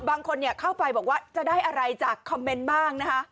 บางคนเข้าไปบอกว่าจะได้อะไรจากคอมเมนต์บ้างนะคะ